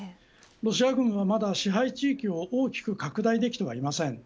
ロシア軍はまだ、支配地域を大きく拡大できてはいません。